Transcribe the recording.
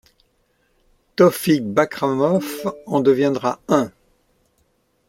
Tofik Bakhramov en deviendra un.